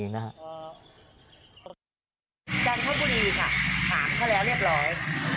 จานทบุรีค่ะหางเขาเรียบร้อย